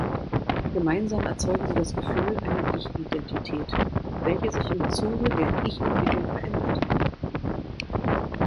Gemeinsam erzeugen sie das Gefühl einer Ich-Identität, welche sich im Zuge der Ich-Entwicklung verändert.